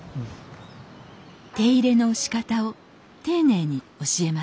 手入れのしかたを丁寧に教えます。